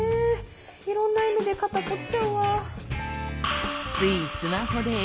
いろんな意味で肩こっちゃうわ。